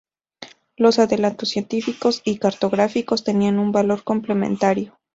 Los adelantos científicos y cartográficos tenían un valor complementario.